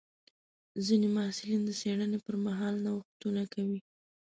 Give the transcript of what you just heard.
ځینې محصلین د څېړنې پر مهال نوښتونه کوي.